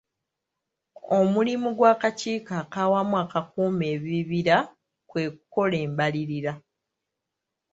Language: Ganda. Omulimu gw'Akakiiko ak'Awamu Akakuuma Ebibira kwe kukola embalirira.